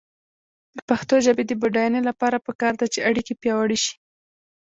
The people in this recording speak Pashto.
د پښتو ژبې د بډاینې لپاره پکار ده چې اړیکې پیاوړې شي.